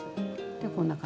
でこんな感じ。